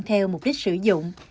theo mục đích sử dụng